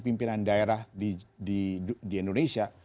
pimpinan daerah di indonesia